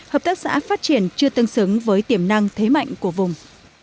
hợp tác xã phát triển chưa tương xứng với tiềm năng thế mạnh của vùng